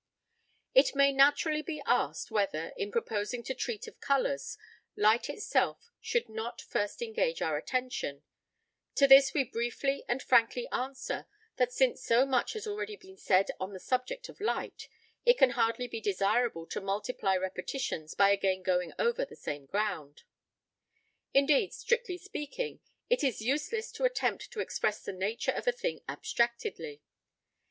It may naturally be asked whether, in proposing to treat of colours, light itself should not first engage our attention: to this we briefly and frankly answer that since so much has already been said on the subject of light, it can hardly be desirable to multiply repetitions by again going over the same ground. Indeed, strictly speaking, it is useless to attempt to express the nature of a thing abstractedly.